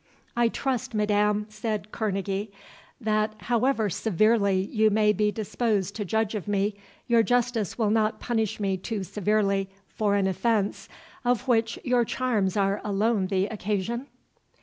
"I trust, madam," said Kerneguy, "that however severely you may be disposed to judge of me, your justice will not punish me too severely for an offence, of which your charms are alone the occasion?"